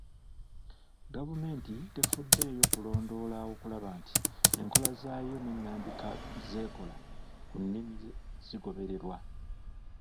Gavumenti tefuddeyo kulondoola okulaba nti enkola zaayo n'ennambika z'ekola ku nnimi zigobererwa.